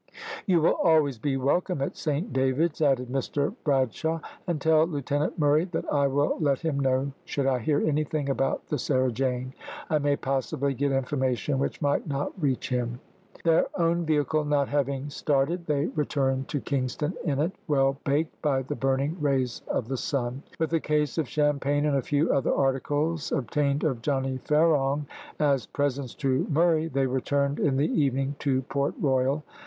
"You will always be welcome at Saint David's," added Mr Bradshaw. "And tell Lieutenant Murray that I will let him know should I hear anything about the Sarah Jane. I may possibly get information which might not reach him." Their own vehicle not having started they returned to Kingston in it, well baked by the burning rays of the sun. With a case of champagne, and a few other articles obtained of Johnny Ferong, as presents to Murray, they returned in the evening to Port Royal.